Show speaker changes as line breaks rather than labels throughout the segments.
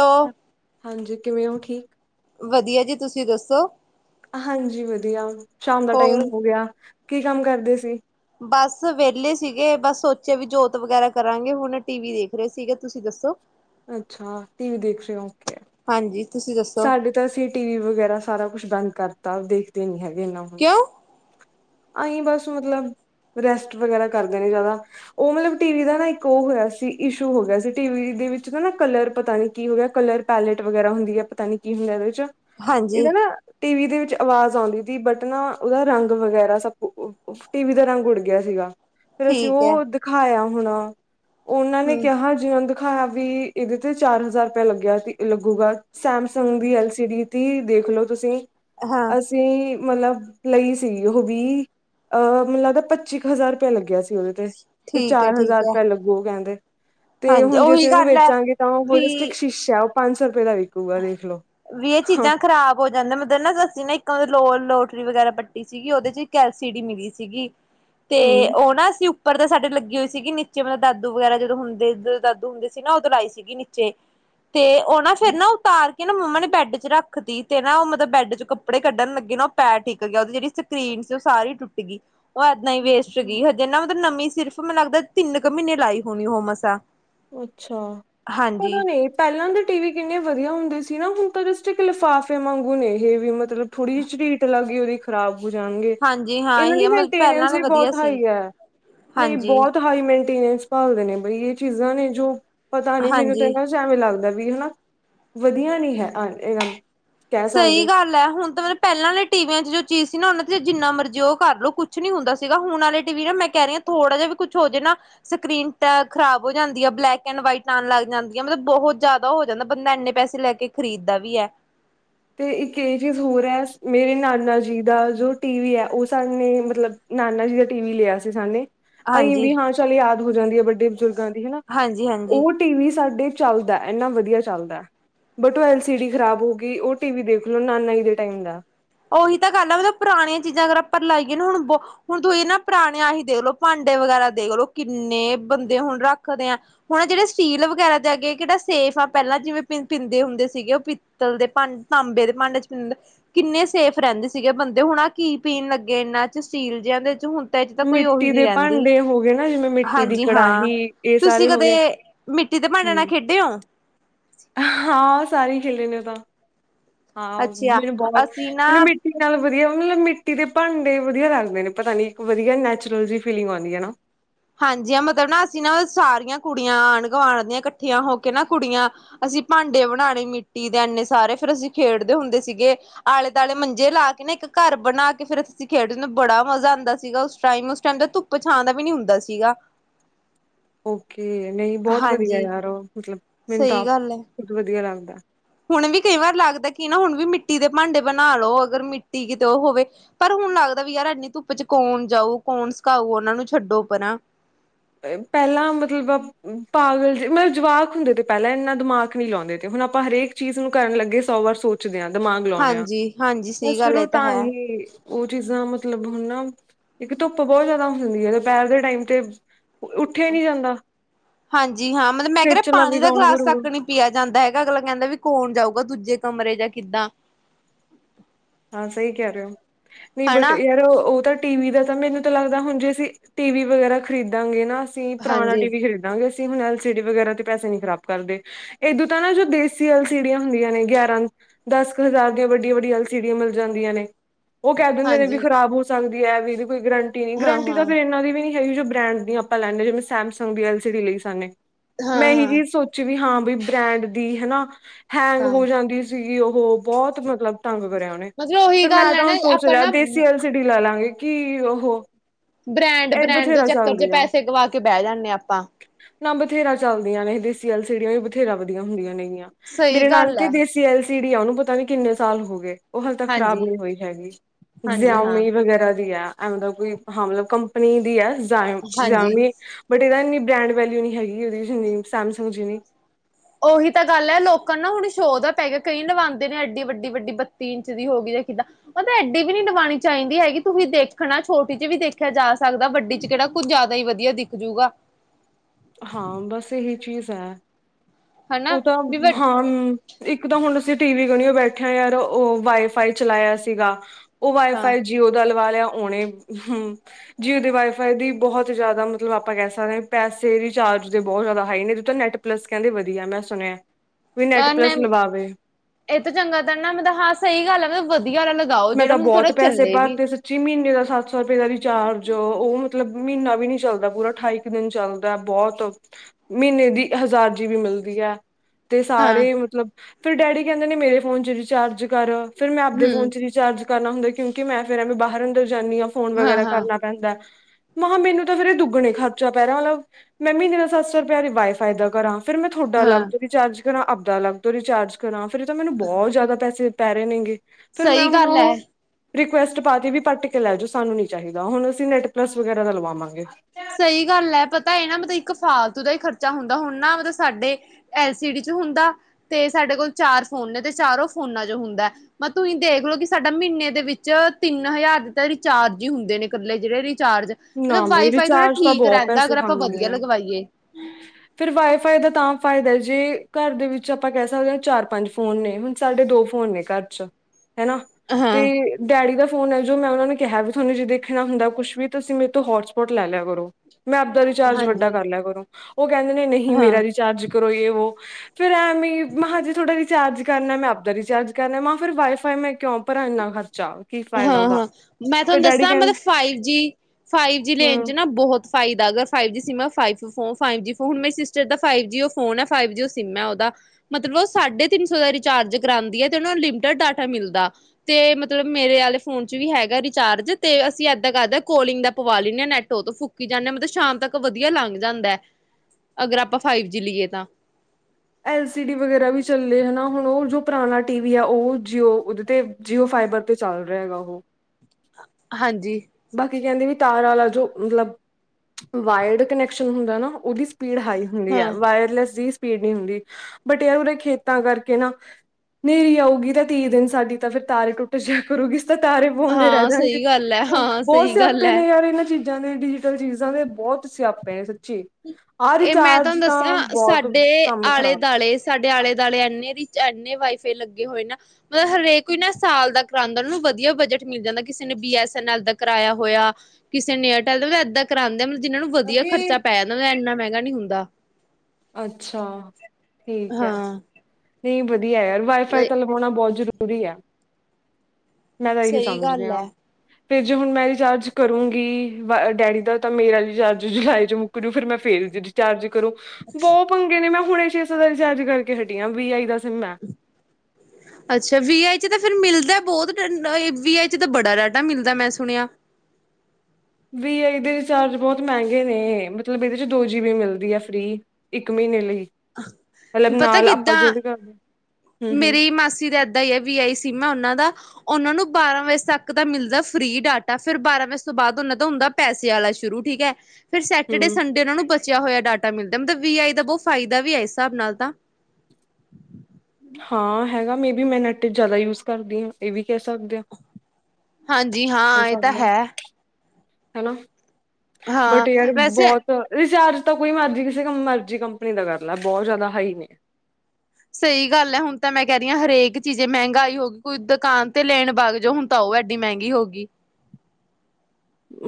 Hello,
ਹਾਂਜੀ ਕਿਵੇ ਔ ਠੀਕ
ਵਧੀਆ ਜੀ। ਤੁਸੀ ਦੱਸੋ?
ਹਾਂਜੀ ਵਧੀਆ। ਸ਼ਾਮ ਦਾ
ਹੋਰ
ਟਾਈਮ ਹੋ ਗਿਆ। ਕੀ ਕਮ ਕਰਦੇ ਸੀ?
ਬਸ ਵੇਲੇ ਸੀਗੇ। ਬਸ ਸੋਚਿਆ ਵੀ ਜੋਤ ਵਗੈਰਾ ਕਰਾਂਗੇ ਹੁਨ ਟੀ ਵੀ ਦੇਖਰੇ ਸੀਗੇ। ਤੁਸੀ ਦੱਸੋ?
ਅਛਾ। ਟੀ ਵੀ ਦੇਖਰੇ ਔ ਔਕੇ।
ਹਾਂਜੀ। ਤੁਸੀ ਦੱਸੋ?
ਤਾਂ ਅਸੀ ਟੀ ਵੀ ਵਗੈਰਾ ਸਾਰਾ ਕੁਛ ਬੰਦ ਕਰਤਾ ਦੇਖਦੇ ਨੀ ਹੈਗੇ ਏਨਾ।
ਕਿਉ?
ਅਹੀ ਬਸ ਮਤਲਬ ਰੈਸਟ ਵਗੈਰਾ ਕਰਦੇ ਰਈਦਾ ਜਾਦਾ। ਉਹ ਮਤਲਬ ਟੀਵੀ ਦਾ ਨਾ ਇਕ ਔ ਹੋਇਆ ਸੀ ਇਸ਼ੂ ਹੋ ਗਿਆ ਸੀ ਟੀਵੀ ਦੇ ਵਿਚ ਦਾ ਨਾ ਕਲਰ ਪਤਾ ਨੀ ਕੀ ਹੋ ਗਿਆ ਕਲਰ ਪੈਲੇਟ ਵਗੈਰਾ ਹੁੰਦੀ ਏ, ਪਤਾ ਨੀ ਕੀ ਹੁੰਦਾ ਇਦੇ ਵਿਚ
ਹਾਂਜੀ
ਇਦਾ ਨਾ ਟੀਵ ਦੇ ਵਿਚ ਆਵਾਜ਼ ਆਉਂਦੀ ਤੀ ਬਟ ਨਾ ਓਦਾ ਰੰਗ ਵਗੈਰਾ ਸਬ ਟੀ ਵੀ ਦਾ ਰੰਗ ਉੜ ਗਿਆ ਸੀਗਾ। ਫੇਰ ਅਸੀ
ਠੀਕ ਹੈ
ਔ ਦਿਖਾਇਆ ਹੁਣ ਉਨਾ ਨੇ
ਹਮ
ਕਿਹਾ ਜੇ ਰੰਗ ਖਾਇਆ ਵੀ ਇਦੇ ਤੇ ਚਾਰ ਹਜ਼ਾਰ ਰੁਪਇਯਾ ਲਗਿਆ ਸੀ। ਲੱਗੂਗਾ। ਸੈਮਸੰਗ ਦੀ ਐਲ ਸੀ ਡੀ ਤੀ ਦੇਖਲੋ ਤੁਸੀ
ਹਾਂ
ਅਸ ਤੀ ਮਤਲਬ ਲਈ ਸੀਗੀ ਉਹ ਵੀ ਅ, ਮੈਨ ਲੱਗਦਾ ਪੱਚੀ ੲਕ ਹਜ਼ਾਰ ਰੁਪਇਆੱ ਲਗਿਆ ਸੀ ਉਦੇ ਤੇ
ਠੀਕ ਹੈ
ਚਾਰ ਹਜ਼ਾਰ
ਠੀਕ ਹੈ।
ਰੁਪਇਆ ਲੱਗੂ ਕਹਿਦੇ। ਤੇ
ਹਾਂਜੀ
ਹੁਨ ਜੇ ਅਸੀ
ਉਹੀ
ਉਨੂੰ
ਗੱਲ ਹੈ
ਵੇਚਾਂਗੇ ਤਾਂ ਔ ਸਟਿਕ
ਵੀ
ਸ਼ੀਸ਼ਾ ਏ, ਔ ਪੰਜ ਸੌ ਰੁਪਏ ਦਾ ਵੀ-
ਵੀ ਏ ਚੀਜਾ ਖਰਾਬ ਹੋ ਜਾਦਾ ਮਤਲਬ ਨਾ ਅਸੀ ਨਾ ਇਕ ਲੋ ਲੋਟਰੀ ਵਗੈਰਾ ਪੱਟੀ ਸੀ। ਸੀਗੀ ਉਦੇ 'ਚ ਐਲਸੀਡੀ ਮਿਲੀ ਸੀਗੀ ਤੇ
ਹਮ
ਔ ਨਾ ਅਸੀ ਪਰ ਤਾਂ ਸਾਡੇ ਲਗੀ ਹੋਈ ਸੀਗੀ ਨੀਚੇ ਮਤਲਬ ਦਾਦੂ ਵਗੈਰਾ ਜਦੋ ਹੁੰਦੇ ਜਦੋਂ ਦਾਦੂ ਹੁੰਦੇ ਸੀ ਨਾ ਉਦੋਂ ਲਾਈ ਸੀ। ਕੀ ਨੀਚੇ ਤੇ ਔ ਨਾ ਫੇਰ ਨਾ- ਕਰਕੇ ਨਾ ਮੰਮਾ ਨੇ ਬੈਡ 'ਚ ਰੱਖ ਤੀ ਤੇ ਨਾ ਉਹ ਮਤਲਬ ਬੈਡ ਚੋਂ ਕੱਪੜੇ ਕਢਣ ਲੱਗੇ ਨਾ ਔ ਪੈਰ ਟੀਕ ਗਿਆ ਔ ਨੀਰੀ ਸਕਰੀਨ ਸੀ ਔ ਸਾਰੀ ਟੁੱਟ ਗਈ। ਔ ਏਦਾਂ ਹੀ ਵੇਸਟ
ਅੱਛਾ
ਗਈ ਹ ਜਿਨਾ ਮਤਲਬ ਨਵੀ ਸਿਰਫ ਮੈਨ ਲਗਦਾ ਤਿੰਨ ਕੁ ਮੀਨੇ ਲਾਈ ਹੋਨੀ ਉਹ ਮਸਾਂ।
ਅਛਾ। ਪਤਾ
ਹਾਂਜੀ
ਨੀ ਪੇਲਾਂ ਦੇ ਟੀ ਵੀ ਕਿਨੇ ਵਧੀਆ ਹੁੰਦੇ ਸੀ ਨਾ, ਹੁਨ ਤਾਂ ਜਸਟ ਇਕ ਲਿਫਾਫੇ ਵਾਂਗੂ ਨੇ ਇਹ ਵੀ ਮਤਲਬ- ਥੋੜੀ ਜੀ ਝਰੀਟ ਲਗ ਗੀ ਉਦੀ ਖਰਾਬ ਹੋ ਜਾਨਗੇ।
ਹਾਂਜੀ ਹਾਂ
ਇਹਨਾ
ਇਹੀ
ਦੀ
ਮਤਲਬ ਪਹਿਲਾਂ
ਮੇਨਟੇਨੈਂਸ ਵੀ
ਵਾਲਾ ਵਧੀਆ
ਬੋਤ
ਸੀ
ਹਾਈ ਐ। ਨਹੀ
ਹਾਂਜੀ
ਬੋਤ ਹਾਈ ਮੇਨਟੇਨੈਂਸ ਭਾਲਦੇ ਨੇ ਬਈ ਏ ਚੀਜਾ ਨੇ ਜੋ ਪਤਾ ਨੀ ਮੈਨੂੰ ਤਾਂ
ਹਾਂਜੀ।
ਇਨ੍ਹਾਂ ਜਵੇ ਲਗਦਾ ਵੀ ਹੈਨਾ ਵਧੀਆ ਨੀ ਹੈ [unintelligible] ਕਹਿ
ਸਈ
ਸਕਦੇ
ਗੱਲ ਐ। ਹੁਨ [unintelligible] ਪੇਲਾ ਵਾਲੇ ਟੀਵੀਆਂ 'ਚ ਜੋ ਚੀਜ ਸੀ ਨਾ ਉਨਾ ਤੇ ਜਿਨਾ ਮਰਜ਼ੀ ਔ ਕਰ ਲੋ ਕੁਛ ਨੀ ਹੁੰਦਾ ਸੀਗਾ ਹੁਨ ਵਾਲੇ ਟੀ ਵੀ- ਨਾਉ ਮੈਂ ਕੇਰੀ ਆ ਥੋੜਾ ਜਾ ਵੀ ਕੁੱਛ ਹੋਜੇ ਨਾ- ਸਕਰੀਨ ਖਰਾਬ ਹੋ ਜਾਦੀ ਆ, ਬਲੈਕ ਐਂਡ ਵਾਈਟ ਆਣ ਲਗ ਜਾਦੀ ਆ, ਮਤਲਬ ਬਹੁਤ ਜਿਆਦਾ ਹੋ ਜਾਦਾ ਬੰਦਾ ਇਨੇ ਪੈਸੇ ਲੈ ਕੇ ਕੇ ਖਰੀਦਦਾ ਵੀ ਹੈ।
ਤੇ ਇਕ ਏ ਚੀਜ ਹੋਰ ਐ ਮੇਰੇ ਨਾਨਾ ਜੀ ਦਾ ਜੋ ਟੀ ਵੀ ਹੈ। ਉਹ ਸਾਨੇ ਮਤਲਬ-ਲ ਨਾਨਾ ਜੀ ਦਾ ਟੀ ਵੀ ਲਿਆ ਸੀ ਸਾਨੇ। ਅਈ
ਹਾਂਜੀ,
ਵੀ ਹਾਂ ਚੱਲ ਯਾਦ ਹੋ ਜਾਂਦੀ ਵੱਡੇ ਬਜ਼ੁਰਗਾਂ ਦੀ ਹੈਨਾ।
ਹਾਂਜੀ, ਹਾਂਜੀ।
ਉਟ ਟੀ ਵੀ ਸਾਡੇ ਚੱਲਦਾ ਏਨਾ ਵਧੀਆ ਚੱਲਦਾ ਬਟ ਔ ਐਲ ਸੀ ਡੀ ਖਰਾਬ ਹੋ ਗਈ। ਉ ਟੀ ਵੀ ਦੇਖ ਲੋ, ਨਾਨਾ ਈ ਦੇ ਟਾਈਮ ਦਾ।
ਉਹੀ ਤਾਂ ਗੱਲ ਹੈ, ਮਤਲਬ ਪੁਰਾਣੀਆਂ ਚੀਜ਼ਾਂ ਅਗਰ ਆਪ ਲਾਈਏ ਨਾ ਹੁਣ ਹੁਣ ਤੁਸੀਂ ਨਾ ਪੁਰਾਣੇ ਅਸੀਂ ਦੇਖਲੋ, ਭਾਂਡੇ ਵਗੈਰਾ ਦੇਖ ਲਓ, ਕਿੰਨੇ ਬੰਦੇ ਹੁਣ ਰੱਖਦੇ ਆ ਹੁਣ ਜਿਹੜੇ ਸਟੀਲ ਵਗੈਰਾ ਦੇ ਅੱਗੇ ਕਿਹੜਾ ਸੇਫ ਆ, ਪਹਿਲਾਂ ਜਿਵੇਂ ਪੀਂਦੇ ਹੁੰਦੇ ਸੀਗੇ ਉਹ ਪੱਤਲ ਦੇ ਭਾਂਡ, ਤਾਂਬੇ ਦੇ ਭਾਂਡੇ, ਵਹਿਚ ਕਿੰਨੇ ਸੇਫ ਰਹਿੰਦੇ ਸੀਗੇ ਬੰਦੇ, ਹੁਣਾ ਕੀ ਪੀਣ ਲੱਗੇ ਇਹਨਾਂ 'ਚ ਸਟੀਲ ਜਿ ਦੇ 'ਚ ਹੁਣ ਤਾਂ ਕੋਈ ਉਹੀ
ਮਿੱਟੀ
ਨਹੀਂ
ਦੇ
ਰਹਿੰਦੀ,
ਭਾਂਡੇ ਹੋ ਗਏ ਨਾ ਜਿਵੇਂ ਮਿੱਟੀ ਦੀ
ਹਾਂਜੀ ਹਾਂ,
ਕੜਾਹੀ ਇਹ ਸਾਰੇ
ਤੁਸੀਂ
ਹੋ
ਕਦੇ
ਗਏ।
ਮਿੱਟੀ ਦੇ ਭਾਂਡੇ ਨਾਲ
ਹੂੰ।
ਖੇਡਿਓ?
ਹਾਂ ਸਾਰੇ ਹੀ ਖੇਲੇ ਨੇ ਉਹ ਤਾਂ, ਹਾਂ
ਅੱਛਾ
ਮੈਨੂੰ ਬਹੁਤ,
ਅਸੀਂ
ਮੈਨੂੰ ਮ
ਨਾ
ਮਿੱਟੀ ਨਾਲ ਵਧੀਆ, ਮਤਲਬ ਮਿੱਟੀ ਦੇ ਭਾਂਡੇ ਵਧੀਆ ਲੱਗਦੇ ਨੇ, ਪਤਾ ਨੀ ਇੱਕ ਵਧੀਆ ਨੈਚੁਰਲ ਜਿ ਫੀਲਿੰਗ ਆਉਂਦੀ ਨਾ।
ਹਾਂਜੀ, ਮਤਲਬ ਨਾ ਅਸੀਂ ਨਾ ਸਾਰੀਆਂ ਕੁੜੀਆਂ ਆਢ ਗੁਆਂਢ ਦੀਆਂ, ਇਕੱਠੀਆਂ ਹੋ ਕੇ ਨਾ ਕੁੜੀਆਂ ਅਸੀਂ ਭਾਂਡੇ ਬਣਾਉਣੇ ਮਿੱਟੀ ਦੇ ਐਨੇ ਸਾਰੇ, ਫਿਰ ਅਸੀਂ ਖੇਡਦੇ ਹੁੰਦੇ ਸੀਗੇ। ਆਲੇ ਦੁਆਲੇ ਮੰਜੇ ਲਾ ਕੇ ਨਾ ਇੱਕ ਘਰ ਬਣਾ ਕੇ, ਫ਼ਿਰ ਅਸੀ ਖੇਡਦੇ ਹੁੰਦੇ ਬੜਾ ਮਜ਼ਾ ਆਉਂ ਸੀਗਾ ਉਸ ਟਾਈਮ, ਉਸ ਟਾਈਮ ਤੁਪ ਛਾ ਦਾ ਵੀ, ਨਹੀਂ ਹੁੰਦਾ ਸੀਗਾ।
ਓਕੇ, ਨਹੀਂ ਬਹੁਤ ਵਧੀਆ
ਹਾਂਜੀ
ਯਾਰ ਉਹ, ਮਤਲਬ ਮੈਨੂੰ ਤਾਂ
ਸਹੀ
ਆਪ
ਗੱਲ ਹੈ।
ਬਹੁਤ ਵਧੀਆ ਲੱਗਦਾ।
ਹੁਣ ਵੀ ਕਈ ਵਾਰ ਲੱਗਦਾ ਕਿ ਨਾ ਹੁਣ ਵੀ ਮਿੱਟੀ ਦੇ ਭਾਂਡੇ ਬਣਾ ਲਓ, ਅਗਰ ਮਿੱਟੀ ਕਿਤੇ ਉਹ ਹੋਵੇ ਪਰ ਹੁਣ ਲੱਗਦਾ ਵੀ ਯਾਰ ਇਨੀ ਧੁੱਪ 'ਚ ਕੌਣ ਜਾਊ, ਕੌਣ ਸੁਕਾਊ ਉਹਨਾਂ ਨੂੰ, ਛੱਡੋ ਪਰਾਂ।
ਪਹਿਲਾਂ ਮਤਲਬ ਪਾਗਲ ਜ ਮਤਲਬ ਜਵਾਕ ਹੁੰਦੇ ਤੇ ਪਹਿਲਾਂ ਇੰਨਾ ਦਿਮਾਗ ਨੀ ਲਾਉਂਦੇ, ਤੇ ਹੁਣ ਆਪਾਂ ਹਰੇਕ ਚੀਜ਼ ਨੂੰ ਕਰਨ ਲੱਗੇ ਸੌ ਵਾਰ ਸੋਚ ਦਿਮਾਗ ਲਾਉਦੇ ਆ,
ਹਾਂਜੀ ਹਾਂਜੀ ਸਹੀ
ਬਸ ਫਿਰ
ਗੱਲ
ਉਹ
ਇਹ
ਤਾਂ
ਹੈ।
ਹੀ ਉਹ ਚੀਜ਼ਾਂ ਮਤਲਬ ਹੁਣ ਨਾ, ਇੱਕ ਧੁੱਪ ਬਹੁਤ ਜ਼ਿਆਦਾ ਹੁੰਦੀ ਹੈ ਦੁਪਹਿਰ ਦੇ ਟਾਈਮ ਤੇ ਉੱਠਿਆ ਨਹੀਂ ਜਾਂਦਾ।
ਹਾਂਜੀ ਹਾਂ, ਮਤਲਬ ਮੈਂ ਕਹਿ
ਫਿਰ
ਰਿਹਾ
ਚਲਾ ਵੀ
ਪਾਣੀ ਦਾ
ਕੌਣ
ਗਲਾਸ
ਕਰੂਗਾ
ਤੱਕਣੀ ਪਿਆ ਜਾਂਦਾ ਹੈਗਾ, ਅਗਲਾ ਕਹਿੰਦਾ ਵੀ ਕੌਣ ਜਾਊਗਾ ਦੂਜੇ ਕਮਰੇ ਜਾਂ ਕਿੱਦਾਂ।
ਹਾਂ ਸਹੀ ਕਹਿ ਰਹੇ ਹੋ, ਨਹੀਂ ਬਟ
ਹਨਾ।
ਯਾਰ ਉਹ ਤਾਂ ਟੀ ਵੀ ਦਾ ਤਾਂ ਮੈਨੂੰ ਤਾਂ ਲੱਗਦਾ ਹੁਣ ਜੇ ਅਸੀਂ, ਟੀ ਵੀ ਵਗੈਰਾ ਖਰੀਦਾਂਗੇ ਨਾ ਅਸੀਂ ਪੁਰਾਣਾ
ਹਾਂਜੀ
ਟੀ ਵੀ ਖਰੀਦਾਂ ਕਰਾਂਗੇ ਅਸੀਂ, ਹੁਣ ਐਲ ਸੀ ਡੀ ਵਗੈਰਾ ਤੇ ਪੈਸੇ ਨਹੀਂ ਖਰਾਬ ਕਰਦੇ। ਏਦੋਂ ਤਾਂ ਨਾ ਜੋ ਦੇਸੀ ਅਲਸੀਡੀਆਂ ਹੁੰਦੀਆਂ ਨੇ, ਗਿਆਰਾਂ ਦਸ ਹਜ਼ਾਰ ਦੀਆਂ ਵੱਡੀਆਂ ਵੱਡੀਆਂ, ਅਲ ਸੀ ਡੀ ਡੀਆਂ ਮਿਲ ਜਾਂਦੀਆਂ ਨੇ, ਉਹ ਕਹਿ ਦਿੰਦੇ ਨੇ ਵੀ
ਹਾਂਜੀ।
ਖ਼ਰਾਬ ਹੋ ਸਕਦੀ ਹੈ ਵੀ ਇਹਦੀ ਕੋਈ ਗਰੰਟੀ ਗਰੰਟੀ ਤਾਂ
ਹਾਂ-ਹਾਂ।
ਫਿਰ ਇਹਨਾਂ ਦੀ ਵੀ ਨੀ ਹੈਗੀ, ਜੋ ਬ੍ਰਾਂਡ ਦੀ ਆਪਾਂ ਲੈਂਦੇ ਜਿਵੇਂ ਸੈਮਸੰਗ ਦੀ ਐਲ ਸੀ ਲਈ ਸਨੇ ਮੈਂ ਇਹੀ ਚੀਜ਼
ਹਾਂ-ਹਾਂ
ਸੋਚੀ ਵੀ ਹਾਂ, ਬਈ ਬ੍ਰੈਂਡ ਦੀ ਹਨਾ ਹੈਂਗ
ਹਾਂ
ਹੋ ਜਾਂਦੀ ਸੀਗੀ ਉਹ, ਬਹੁਤ ਮਤਲਬ ਤੰਗ
ਮਤਲਬ
ਫੇਰ
ਉਹੀ
ਮੈਂ
ਗੱਲ ਹੈ
ਤਾਂ
ਨਾ
ਹੁਣ ਸੋਚ
ਆਪਾਂ
ਲਿਆ,
ਨਾ
ਦੇਸੀ ਐਲਸੀ ਡੀ ਲੈ ਲਾਂਗੇ, ਕਿ ਉਹ
ਬ੍ਰੈਂਡ,
ਇਹ
ਬ੍ਰੈਂਡ ਦੇ
ਬਥੇਰਾ
ਚੱਕਰ
ਚੱਲਦੀ
'ਚ
ਆ
ਪੈਸੇ ਗਵਾਹ ਕੇ ਬਹਿ ਜਾਂਦੇ ਹਾਂ ਆਪਾਂ।
ਬਥੇਰਾ ਚੱਲਦੀਆਂ ਨੇ ਦੇਸੀ ਐਲ ਸੀ ਡੀਆਂ ਵੀ, ਬਥੇਰਾ ਵਧੀਆ ਹੁੰਦੀਆਂ ਨੇਗੀਆਂ। ਮੇਰੇ
ਸਹੀ ਗੱਲ
ਨਾਨਕੇ
ਹੈ।
ਦੇਸੀ ਐਲ ਸੀ ਡੀ ਆ, ਉਹਨੂੰ ਪਤਾ ਨੀ ਕਿੰਨੇ ਸਾਲ ਹੋ ਗਏ। ਉਹ ਹੁਣ ਤੱਕ ਖ਼ਰਾਬ
ਹਾਂਜੀ।
ਨਹੀਂ ਹੋਈ ਹੈਗੀ,
ਹਾਂਜੀ
ਇਗਜ਼ਾਮ
ਹਾਂ।
ਵਗੈਰਾ ਦੀ ਆ। ਐ ਮਤਲਬ ਕੋਈ ਹਾਂ, ਮਤਲਬ ਕੰਪਨੀ ਦੀ ਹੈ।
ਹਾਂਜੀ।
ਬਟ ਇਹਦਾ ਇੰਨੀ ਬ੍ਰੈਂਡ ਵੈਲਿਊ ਨਹੀਂ ਹੈਗੀ ਉਹਦੀ, ਜਿੰਨੀ ਸੈਮਸਗ ਜੀਨੀ।
ਉਹੀ ਤਾਂ ਗੱਲ ਹੈ ਲੋਕਾਂ ਨਾ ਹੁਣ ਸੋਂਅ ਦਾ ਪੈ ਗਿਆ, ਕਈ ਨਿਵਾਉਂਦੇ ਨੇ ਐਡੀ ਵੱਡੀ -ਵੱਡੀ ਬੱਤੀ ਇੰਚ ਦੀ ਹੋ ਗਈ ਕਿੱਦਾਂ ਮਤਲਬ ਐਡੀ ਵੀ ਨਹੀਂ ਡਵਾਉਣੀ ਚਾਹੀਦੀ ਹੈਗੀ, ਤੁਸੀਂ ਦੇਖਣਾ ਛੋਟੀ 'ਚ ਵੀ ਦੇਖਿਆ ਜਾ ਸਕਦਾ, ਵੱਡੀ 'ਚ ਕਿਹੜਾ ਕੁਝ ਜਿਆਦਾ ਹੀ ਵਧੀਆ, ਦਿਖ ਜੂਗਾ।
ਹਾਂ ਬਸ ਇਹੀ ਚੀਜ਼ ਹੈ,
ਹਨਾ
ਉਹ ਤਾਂ
ਵੀ ਵੱ
ਹਾਂ ਇੱਕ ਤਾਂ ਹੁਣ ਅਸੀਂ ਟੀ ਵੀ ਗਣੀਓ ਬੈਠਿਆ ਯਾਰ, ਉਹ ਵਾਈਫਾਈ ਚਲਾਇਆ ਸੀਗਾ ਉਹ
ਹਾਂ
ਵਾਈਫਾਈ ਜੀਓਦਾ ਲਵਾ ਲਿਆ ਉਹਓਨੇ, ਹਮ। ਜੀ ਓਦੇ ਵਾਈਫਾਈ ਦੀ ਬਹੁਤ ਜ਼ਿਆਦਾ ਮਤਲਬ ਆਪਾਂ ਕਹਿ ਸਕਦੇ ਹਾਂ ਪੈਸੇ ਰਿਚਾਰਜ ਦੇ ਬਹੁਤ ਜ਼ਿਆਦਾ ਹਾਈ ਨੇ ਜੇ ਤਾਂ ਨੈੱਟ ਪਲੱਸ ਕਹਿੰਦੇ ਵਧੀਆ ਮੈਂ ਸੁਣਿਆ ਵੀ
ਅ
ਨੈਟ ਪਲੱਸ
ਨਹੀਂ
ਲਵਾਵੇ
ਇਹ ਤਾਂ ਚੰਗਾ ਤ ਨਾ ਮਤਲਬ ਹਾਂ ਸਹੀ ਗੱਲ ਹੈ ਵਧੀਆ ਲਗਾਓ
ਮੈਂ
ਜਿਹੜਾ
ਤਾਂ
ਮਤਲਬ ਥੋੜਾ
ਬਹੁਤ ਪੈਸੇ
ਚੱਲੇ ਵੀ
ਪਾਤੇ ਸੀ ਜੀ ਮਹੀਨੇ ਦਾ ਸੱਤ ਸੌ ਰੁਪਏ ਦਾ ਰਿਚਾਰਜ ਉਹ ਮਤਲਬ ਮਹੀਨਾ ਵੀ ਨੀ ਚੱਲਦਾ ਪੂਰਾ ਅਠਾਈ ਇੱਕ ਦਿਨ ਚੱਲਦਾ ਬਹੁਤ ਮਹੀਨੇ ਦੀ ਹਜ਼ਾਰ ਜੀ ਬੀ ਮਿਲਦੀ ਹੈ ਤੇ
ਹਾਂ
ਸਾਰੇ ਮਤਲਬ ਫੇਰ ਡੈਡੀ ਕਹਿੰਦੇ ਨੇ ਮੇਰੇ ਫੋਨ ਚ ਰਿਚਾਰਜ ਕਰ ਫੇਰ ਮੈਂ ਆਪਦੇ ਫੋਨ
ਹਮ
ਚ ਰੀਚਾਰਜ ਕਰਨਾ ਹੁੰਦਾ ਕਿਉਂਕਿ ਮੈਂ ਫੇਿਰ ਐਵੇਂ ਬਾਹਰ ਅੰਦਰ ਜਾਂਦੀ ਹ ਫੋਨ
ਹਾਂ
ਵਗੈਰਾ
ਹਾਂ
ਕਰਨਾ ਪੈਂਦਾ ਮੈਂ ਕਿਹਾ ਮੈਨੂੰ ਤਾਂ ਫੇਰ ਇਹ ਦੁੱਗਣੇ ਖਰਚਾ ਪੈ ਰਿਹਾ ਮਤਲਬ ਮੈਂ ਮਹੀਨੇ ਦਾ ਸੱਤ ਸੌ ਰੁਪਏ ਦਾ ਵਾਏ ਫਾਇ ਦਾ ਕਰਾਂ ਫਿਰ ਮੈਂ ਤੁਹਾਡਾ
ਹਾਂ
ਅਲਗ ਤੋਂ ਰਿਚਾਰਜ ਕਰਾਂ ਆਪਦਾ ਅਲੱਗ ਤੋਂ ਰਿਚਾਰਜ ਕਰਾਂ ਫਿਰ ਇਹ ਤਾਂ ਮੈਨੂੰ ਬਹੁਤ ਜ਼ਿਆਦਾ ਪੈਸੇ ਪੈ ਰਹੇ ਨੇਗੇ ਫੇਰ ਮੈਂ
ਸਹੀ
ਹੁਣ
ਗੱਲ ਹੈ
ਉਹ ਰਿਕੁਐਸਟ ਪਾਤੀ ਵੀ ਪੱਟ ਕੇ ਲੈ ਜਾਓ ਸਾਨੂੰ ਨੀ ਚਾਹੀਦਾ ਹੁਣ ਅਸੀਂ ਨੈਟਪਲਸ ਵਗੈਰਾ ਦਾ ਲਵਾਵਾਂਗੇ
ਸਹੀ ਗੱਲ ਹੈ ਪਤਾ ਹੈ ਨਾ ਮਤਲਬ ਇੱਕ ਫਾਲਤੂ ਦਾ ਹੀ ਖਰਚਾ ਹੁੰਦਾ ਹੁਣ ਨਾ ਮਤਲਬ ਸਾਡੇ ਐਲ ਸੀ ਡੀ ਚ ਹੁੰਦਾ ਤੇ ਸਾਡੇ ਕੋਲ ਚਾਰ ਫੋਨ ਨੇ ਤੇ ਚਾਰੋਂ ਫੋਨਾ ਚ ਹੁੰਦਾ ਮੈਂ ਤੁਸੀਂ ਦੇਖ ਲਓ ਕਿ ਸਾਡਾ ਮਹੀਨੇ ਦੇ ਵਿੱਚ ਤਿੰਨ ਹਜ਼ਾਰ ਦੇ ਤਾਂ ਰਿਚਾਰਜ ਹੀ ਹੁੰਦੇ ਨੇ ਇਕੱਲੇ ਜਿਹੜੇ ਰਿਚਾਰਜ
ਨਾ
ਮਤਲਬ
ਬਈ
ਵਾਈਫਾਈ ਥੋੜਾ
ਰਿਚਾਰਜ ਤਾਂ
ਠੀਕ
ਬਹੁਤ
ਰਹਿੰਦਾ
ਪੈਸੇ
ਅਗਰ ਆਪਾਂ
ਖਾਦੇ
ਵਧੀਆ
ਆ
ਲਗਵਾਈਏ
ਫੇਰ ਵਾਈਫਾਈ ਦਾ ਤਾਂ ਫਾਇਦਾ ਜੇ ਘਰ ਦੇ ਵਿੱਚ ਆਪਾਂ ਕਹਿ ਸਕਦੇ ਹਾਂ ਚਾਰ ਪੰਜ ਫੋਨ ਨੇ ਹੁਣ ਸਾਡੇ ਦੋ ਫੋਨ ਨੇ ਘਰ ਚ ਹਨਾ ਤੇ
ਹਾਂ
ਡੈਡੀ ਦਾ ਫੋਨ ਹੈ ਜੋ ਮੈਂ ਉਹਨਾਂ ਨੂੰ ਕਿਹਾ ਵੀ ਤੁਹਾਨੂੰ ਜੇ ਦੇਖਣਾ ਹੁੰਦਾ ਕੁਛ ਵੀ ਤੁਸੀਂ ਮੇਰੇ ਤੋਂ ਹੋਟਸਪੋਟ ਲੈ ਲਿਆ ਕਰੋ ਮੈਂ ਆਪਦਾ ਰਿਚਾਰਜ ਵੱਡਾ
ਹਾਂਜੀ
ਕਰ ਲਿਆ ਕਰੂ ਉਹ ਕਹਿੰਦੇ ਨੇ ਨਹੀਂ
ਹਾਂ
ਮੇਰਾ ਰਿਚਾਰਜ ਕਰੋ ਯੇ ਵੋ ਫੇਰ ਐਮੇ ਮੈ ਜੇ ਥੋੜਾ ਰਿਚਾਰਜ ਕਰਨਾ ਮੈਂ ਆਪਦਾ ਰਿਚਾਰਜ ਕਰਨਾ ਮ ਫਿਰ ਵਾਈਫਾਈ ਮੈਂ ਕਿਉਂ ਭਰਾਂ ਇੰਨਾ ਖਰਚਾ ਆ
ਉਹ ਹਾਂ ਹਾਂ ਮੈਂ ਤੁਹਾਨੂੰ ਦੱਸਾਂ ਮਤਲਬ ਫਾਈਵ ਜੀ ਫਾਈਵ ਜੀ ਲੇਣ
ਹਮ
ਚ ਨਾ ਬਹੁਤ ਫਾਈਦਾ ਅਗ ਫਾਈਵ ਜੀ ਸਿੰਮ ਹੈ ਫਾਈਵ ਫੋਨ ਫਾਈਵ ਜੀ ਫ ਮਰੇ ਸਿਸਟਰ ਦਾ ਫਾਈਵ ਜੀ ਫੋਨ ਹੈ ਫਾਈਵ ਜੀ ਉਹ ਸਿੰਮ ਹੈ ਉਹਦਾ ਮਤਲਬ ਉਹ ਸਾਢੇ ਤਿੰਨ ਸੌ ਦਾ ਰਿਚਾਰਜ ਕਰਾਉਂਦੀ ਹੈ ਤੇ ਉਹਨਾ ਨੂੰ ਲਿਮਟਿਡ ਡਾਟਾ ਮਿਲਦਾ ਤੇ ਮਤਲਬ ਮੇਰੇ ਵਾਲੇ ਫੋਨ ਚ ਵੀ ਹੈਗਾ ਰਿਚਾਰਜ ਤੇ ਅਸੀਂ ਇੱਦਾਂ ਕਰੀਦਾ ਕੋਲਿੰਗ ਦਾ ਪਵਾ ਲੈਂਦੇ ਹਾਂ ਨੈੱਟ ਉਹ ਤੋ ਫੁੱਕ ਕੀ ਜਾਂਦੇ ਆਂ ਮਤਲਬ ਸ਼ਾਮ ਤੱਕ ਵਧੀਆ ਲੰਘ ਜਾਂਦਾ ਹੈ ਅਗਰ ਆਪਾਂ ਫਾਈਵ ਜੀ ਲਈਏ ਤਾਂ
ਐਲ ਸੀ ਡੀ ਵਗੈਰਾ ਵੀ ਚੱਲਦੇ ਹਨਾ ਹੁਣ ਉਹ ਜੋ ਪੁਰਾਣਾ ਟੀ ਵੀ ਹੈ ਉਹ ਜੀਓ ਉਹਦੇ ਤੇ ਜੀਓ ਫਾਈਬਰ ਤੇ ਚੱਲ ਰਿਹਾ ਹੈਗਾ ਉਹ
ਹਾਂਜੀ
ਬਾਕੀ ਕਹਿੰਦੇ ਵੀ ਤਾਰ ਵਾਲਾ ਜੋ ਮਤਲਬ ਵਾਇਲਡ ਕਨੈਕਸ਼ਨ ਹੁੰਦਾ ਨਾ ਉਹਦੀ ਸਪੀਡ ਹਾਈ ਹੁੰਦੀ ਹੈ
ਹਾਂ
ਵਾਇਰਲੈਸ ਦੀ ਸਪੀਡ ਨਹੀਂ ਹੁੰਦੀ ਬਟ ਇਹ ਵਾਲੇ ਖੇਤਾਂ ਕਰਕੇ ਨਾ ਹਨੇਰੀ ਆਊਗੀ ਤਾਂ ਤੀਹ ਦਿਨ ਸਾਡੀ ਤਾਂ ਫਿਰ ਤਾਰ ਈ ਟੁੱਟ ਜਇਆ ਕਰੂਗੀ ਤਾਂ ਤਾਰੇ ਪਵਾਉਂਦੇ ਰਹਿ
ਹਾਂ
ਜਾਂਗੇ
ਸਹੀ ਗੱਲ ਹੈ
ਉਹ
ਹਾਂ
ਬਹੁਤ
ਸਹੀ ਗੱਲ
ਸਿਆਪੇ
ਹੈ
ਨੇ ਯਾਰ ਇਹਨਾਂ ਚੀਜ਼ਾਂ ਦੇ ਡਿਜੀਟਲ ਚੀਜ਼ਾਂ ਦੇ ਬਹੁਤ ਸਿਆਪੇ ਨੇ ਸੱਚੀ ਆਹ
ਇਹ ਮੈਂ
ਰਿਚਾਰਜ
ਤੁਹਾਨੂੰ ਦੱਸਿਆ
ਤਾਂ ਬਹੁਤ
ਸਾਡੇ
ਕੰਮ
ਆਲੇ
ਖ਼ਰਾਬ
ਦੁਆਲੇ ਸਾਡੇ ਆਲੇ ਦੁਆਲੇ ਐਨੇ ਰੇਂਜਾ ਇੰਨੇ ਵਾਈਫਾਈ ਲੱਗੇ ਹੋਏ ਨਾ ਮਤਲਬ ਹਰੇਕ ਕੋਈ ਸਾਲ ਦਾ ਕਰਾਉਂਦਾ ਉਹ ਨੂੰ ਵਧੀਆ ਬਜਟ ਮਿਲ ਜਾਂਦਾ ਕਿਸੇ ਨੇ ਬੀ ਐਸ ਐਨ ਐਲ ਦਾ ਕਰਾਇਆ ਹੋਇਆ ਕਿਸੇ ਨੇ ਏਅਰਟੈਲ ਦਾ ਮਤਲਬ ਏਦਾਂ ਕਰਾਉਂਦੇ ਮਤਲਬ ਜਿਹਨਾਂ ਨੂੰ, ਵਧੀਆ ਖਰਚਾ ਪੈ ਜਾਂਦਾ ਮਤਲਬ ਇੰਨਾ ਮਹਿੰਗਾ ਨਹੀਂ ਹੁੰਦਾ।
ਅੱਛਾ ਠੀਕ ਹੈ
ਹਾਂ
ਨਹੀਂ ਵਧੀਆ ਹੈ ਯਾਰ ਵਾਈਫਾਈ
ਬ
ਤਾਂ ਲਵਾਉਣਾ ਬਹੁਤ ਜ਼ਰੂਰੀ ਆ ਮੈਂ ਤਾਂ ਇਹੀ
ਸਹੀ
ਸਮਝਦੀ
ਗੱਲ
ਹਾਂ
ਹੈ
ਫੇਰ ਜੇ ਹੁਣ ਮੈਂ ਰਿਚਾਰਜ ਕਰੂੰਗੀ ਡੈਡੀ ਦਾ ਤਾਂ ਮੇਰਾ ਰਿਚਾਰਜ ਜੁਲਾਈ ਚ ਮੁੱਕ ਜੁ ਫੇਰ ਮੈਂ ਫੇਰ ਚਾਰਜ ਕਰੋ ਬਹੁਤ ਪੰੰਗੇ ਨੇ ਮੈਂ ਹੁਣੇ ਛੇ ਸੌ ਦਾ ਰਿਚਾਰਜ ਕਰਕੇ ਹਟੀ ਆ ਵੀ ਆਈ ਦਾ ਸਿਮ ਹੈ
ਅੱਛਾ ਵੀ ਆਈ ਚ ਤਾਂ ਫਿਰ ਮਿਲਦਾ ਬੋਤ ਵੀ ਆਈ ਚ ਦਾ ਬੜਾ ਡਾਟਾ ਮਿਲਦਾ ਮੈਂ ਸੁਨੇਆ।
ਵੀ ਦੇ ਰਿਚਾਰਜ ਬੋਤ ਮੈਂਗੇ ਨੇ ਮਤਲਬ ਏਦੇ ਚ ਦੋ ਜੀਬੀ ਮਿਲਦੀ ਐ ਫਰੀ। ਇੱਕ ਮੀਨੇ ਲਈ ਮਤਲਬ
ਪਤਾ
ਨਾਲ ਆਪਾਂ ਜੋ
ਕਿੱਦਾਂ
ਵੀ ਕਰਦੇ ਹੂੰ ਹੂੰ
ਮੇਰੀ ਮਾਸੀ ਦਾ ਐਦਾਂ ਈ ਆ ਵੀ ਆਈ ਸਿੰਮ ਆ ਓਨਾਂ ਦਾ ਓਨਾਂ ਨੂੰ ਬਾਰਾਂ ਵਜੇ ਤੱਕ ਦਾ ਮਿਲਦਾ ਫਰੀ ਡਾਟਾ ਫਿਰ ਬਾਰਾਂ ਵਜੇ ਤੋਂ ਬਾਦ ਓਨਾਂ ਦਾ ਹੁੰਦਾ ਪੈਸੇ ਆਲਾ ਸ਼ੁਰੂ ਠੀਕ ਐ। ਫੇਰ ਸੈਟਡੇ
ਹੂੰ
ਸੰਡੇ ਓਨਾਂ ਨੂੰ ਬਚੇਆ ਹੋਏਆ ਡਾਟਾ ਮਿਲਦਾ ਮਤਲਬ ਵੀ ਆਈ ਦਾ ਬਹੁ ਫਾਇਦਾ ਵੀ ਐ ਏਸ ਸਾਬ ਨਾਲ ਤਾਂ
ਹਾਂ ਹੈਗਾ ਮੇ ਵੀ ਮੈਂ ਨਟ ਜ਼ਾਦਾ ਯੂਜ ਕਰਦੀ ਆਂ ਏ ਵੀ ਕੈ ਸਕਦੇ ਆਂ।
ਹਾਂਜੀ ਹਾਂ ਏ ਤਾਂ ਹੈ।
ਹੈਲੋ,
ਹਾਂ
ਬਟ ਯਾਰ
ਵੈਸੇ
ਬੋਤ ਰਿਚਾਰਜ ਤਾਂ ਕੋਈ ਮਰਜ਼ੀ ਕਿਸੇ ਮਰਜੀ ਕੰਪਨੀ ਦਾ ਕਰ ਲੈ ਬਹੁ ਜ਼ਾਦਾ ਹਾਈ ਨੇ।
ਸਈ ਗੱਲ ਐ ਹੁਨ ਤਾਂ ਮੈਂ ਕੈ ਰਈ ਆਂ ਹਰੇਕ ਚੀਜ਼ ਮੈਂਗਾਈ ਹੋ ਗਈ ਕੋਈ ਦੁਕਾਨ ਤੇ ਲੇਨ ਬਗ ਜੋ ਹੁਨ ਤਾਂ ਓ ਐਡੀ ਮੈਂਗੀ ਹੋਗੀ।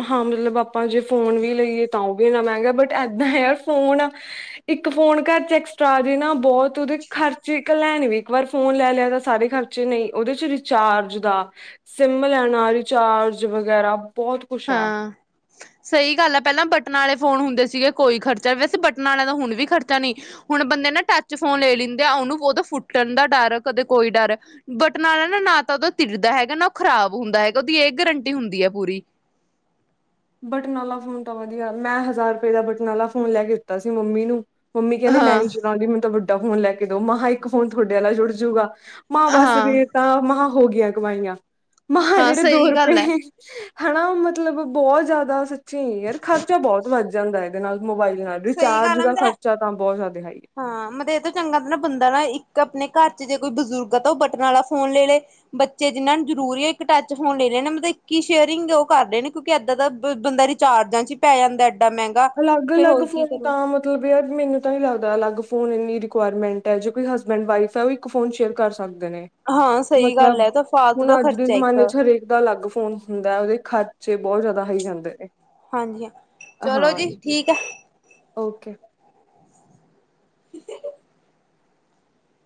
ਹਾਂ ਮਤਲਬ ਆਪਾਂ ਜੇ ਫੋਨ ਵੀ ਲਈਏ ਤਾਂ ਓ ਵੀ ਐਨਾ ਮੈਂਗੈ ਬਟ ਏਦਾਂ ਐ ਯਾਰ ਫੋਨ ਇੱਕ ਫੋਨ ਘਰ ਚ ਐਕਸਟਰਾ ਆ ਜੇ ਨਾ ਬਹੋਤ ਓਦੇ ਖਰਚੇ ਕੱਲਾ ਐਂ ਨੀ ਇੱਕ ਵਾਰ ਫੋਨ ਲੈ ਲਿਆ ਤਾਂ ਸਾਰੇ ਖਰ ਚ ਨਈ ਓਦੇ ਚ ਰਿਚਾਰਜ ਦਾ ਸਿੰਮ ਲੈਨਾ ਰਿਚਾਰਜ ਵਗੈਰਾ ਬਹੋਤ ਕੁਛ ਹੈ
ਹਾਂ ਸਈ ਗੱਲ ਐ ਪੈਲਾਂ ਬਟਨ ਆਲੇ ਫੋਨ ਹੁੰਦੇ ਸੀਗੇ ਕੋਈ ਖਰਚਾ ਨੀ ਵੈਸੇ ਬਟਨ ਆਲੇਆਂ ਦਾ ਹੁਨ ਵੀ ਖਰਚਾ ਨਈ। ਹੁਨ ਬੰਦੇ ਨਾ ਟੱਚ ਫੋਨ ਲੇ ਲਿੰਦੇ ਆ ਓਨੂੰ ਓਦਾ ਫੁਟਨ ਦਾ ਡਰ ਕਦੇ ਕੋਈ ਡਰ ਬਟਨ ਆਲਾ ਨਾ-ਨਾ ਤਾਂ ਓਦਾ ਤਿੜਦਾ ਹੈਗਾ ਨਾ ਓ ਖਰਾਬ ਹੁੰਦਾ ਹੈਗਾ ਓਦੀ ਏ ਗਰੰਟੀ ਹੁੰਦੀ ਐ ਪੂਰੀ।
ਬਟਨ ਆਲਾ ਫੋਨ ਤਾਂ ਵਦੀਆ ਮੈਂ ਹਜ਼ਾਰ ਰੁਪਏ ਦਾ ਬਟਨ ਆਲਾ ਫੋਨ ਲੈ ਕੇ ਦਿੱਤਾ ਸੀ ਮੰਮੀ ਨੂੰ। ਮੰਮੀ ਕੈਂਦੀ ਮੈਂ
ਹਾਂ
ਨੀ ਚਲਾਂਦੀ ਮੈਨੂੰ ਤਾਂ ਵੱਡਾ ਫੋਨ ਲੈ ਕੇ ਦਓ ਮਹਾਂ ਇੱਕ ਫੋਨ ਥੋਡੇ ਆਲਾ ਜੁੜ ਜੂਗਾ। ਮਹਾਂ ਬਸ
ਹਾਂ
ਫੇਰ ਤਾਂ ਮਹਾਂ ਹੋ ਗੀਆਂ ਕਮਾਈਆਂ, ਮਹਾਂ
ਹਾਂ
ਜੇੜੇ ਦੋ
ਸਹੀ ਗੱਲ
ਰੁਪਏ
ਹੈ
ਹਨਾ ਮਤਲਬ ਬਹੁ ਜ਼ਾਦਾ ਸੱਚੀ ਯਾਰ ਖਰਚਾ ਬਹੁਤ ਵੱਧ ਜਾਂਦਾ ਐ। ਦੇ ਨਾਲ ਮੋਬਾਈਲ ਨਾਲ
ਸਹੀ
ਰਿਚਾਰਜ
ਗੱਲ ਆ
ਦਾ
ਮਤਲਬ
ਖਰਚਾ ਤਾਂ ਬਹੁ ਜ਼ਾਦੇ ਹਾਈ ਏ।
ਹਾਂ ਮਤਲਬ ਏ ਤੋ ਚੰਗਾ ਤਾਂ ਨਾ ਬੰਦਾ ਨਾ ਇੱਕ ਆਪਨੇ ਘਰ ਚ ਜੇ ਕੋਈ ਬਜ਼ੁਰਗ ਆ ਤਾਂ ਓ ਬਟਨ ਆਲਾ ਫੋਨ ਲੇ-ਲੇ। ਬੱਚੇ ਜਿਨਾਂ ਨੂੰ ਜ਼ਰੂਰੀ ਐ ਇੱਕ ਟੱਚ ਫੋਨ ਲੇ ਲੇਨ ਮਤਲਬ ਇੱਕ ਈ ਸ਼ੇਅਰਿੰਗ ਓਹ ਕਰ ਰਏ ਨੇ ਕਿਓਂਕਿ ਏਦਾਂ ਦਾ ਬੰਦਾ ਚਾਰਜਾਂ ਚ ਈ ਪੈ ਜਾਂਦਾ ਐਡਾ ਮੈਂਗ
ਅਲੱਗ‌-ਅਲੱਗ ਫੋਨ ਤਾਂ ਮਤਲਬ ਯਾਰ ਮੈਨੂੰ ਤਾਂ ਨੀ ਲੱਗਦਾ ਅਲੱਗ ਫੋਨ ਇੰਨੀ ਰਿਕੁਆਇਰਮੈਂਟ ਐ ਜੇ ਕੋਈ ਹਸਬੈਂਡ ਵਾਈਫ ਐ ਓ ਇਕ ਫੋਨ ਸ਼ੇਅਰ ਕਰ ਸਕਦੇ ਨੇ,
ਹਾਂ ਸਹੀ ਗੱਲ
ਮਤਲਬ
ਹੈ ਤਾਂ ਫਾਲਤੂ ਦਾ
ਹੁਨ ਅੱਜ ਦੇ
ਖਰਚਾ ਇੱਕ
ਜ਼ਮਾਨੇ ਚ ਹਰੇਕ ਦਾ ਅਲੱਗ ਫੋਨ ਹੁੰਦਾ ਓਦੇ ਖਰਚੇ ਬਹੁ ਜਾਦਾ ਹਾਈ ਜਾਂਦੇ ਨੇ।
ਹਾਂਜੀ ਹਾਂ, ਚਲੋ
ਹਾਂ
ਜੀ
ਇਹ
ਠੀਕ ਐ।
ਓਕੇ।
[inaudible]